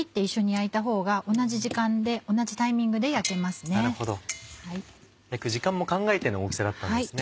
焼く時間も考えての大きさだったんですね。